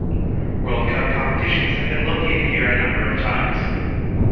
World Cup competitions have been located here a number of times.